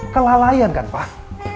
kelalaian kan pak